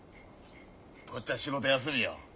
こっちは仕事休みよ。